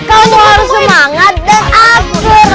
kamu harus semangat dan aku